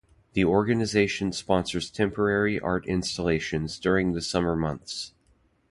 The organization sponsors temporary art installations during the summer months.